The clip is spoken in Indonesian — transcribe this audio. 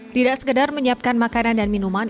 tidak sekedar menyiapkan makanan dan minuman